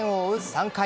３回。